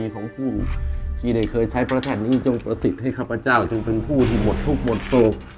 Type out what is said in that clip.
ของผู้ที่ได้เคยใช้พระธาตุนี้จงประสิทธิ์ให้ข้าพเจ้าจงเป็นผู้ที่หมดทุกข์หมดโศก